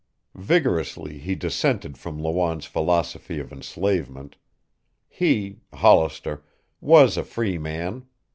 Vigorously he dissented from Lawanne's philosophy of enslavement. He, Hollister, was a free man.